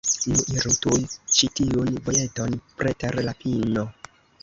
Nu, iru tuj ĉi tiun vojeton, preter la pino.